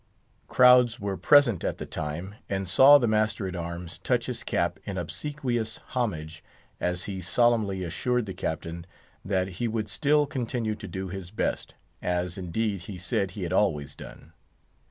Crowds were present at the time, and saw the master at arms touch his cap in obsequious homage, as he solemnly assured the Captain that he would still continue to do his best; as, indeed, he said he had always done.